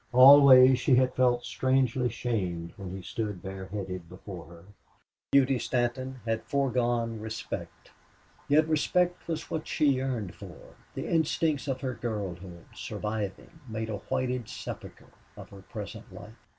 Always she had felt strangely shamed when he stood bareheaded before her. Beauty Stanton had foregone respect. Yet respect was what she yearned for. The instincts of her girlhood, surviving, made a whited sepulcher of her present life.